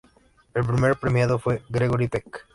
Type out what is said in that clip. El primer premiado fue Gregory Peck.